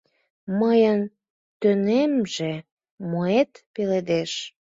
Мыйын тӧнемже моэт пеледеш?